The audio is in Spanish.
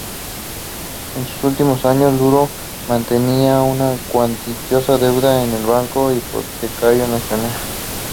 En sus últimos años, Luro mantenía una cuantiosa deuda con el Banco Hipotecario Nacional.